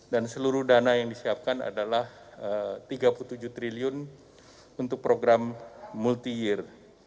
dan seluruh dana yang disiapkan adalah rp tiga puluh tujuh triliun untuk program multi year